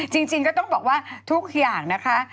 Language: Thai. จริงก็ต้องบอกว่าทุกอย่างนะคะ